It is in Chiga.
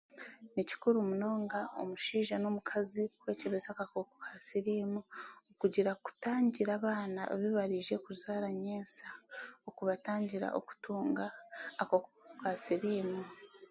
Ni kikuru munonga omushaija n'omukazi kwekyebeza akakooko ka siriimu kugira kutangira abaana abu barikwenda kuzaara nyensya okubatangira kutunga akakooko ka siriimu.